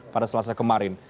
pada selasa kemarin